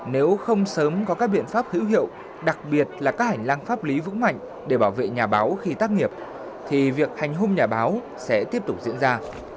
nếu không sớm có các biện pháp hữu hiệu đặc biệt là các hành lang pháp lý vững mạnh để bảo vệ nhà báo khi tác nghiệp thì việc hành hung nhà báo sẽ tiếp tục diễn ra